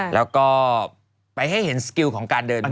แล้วก็ไปให้เห็นสกิลของการเดินทาง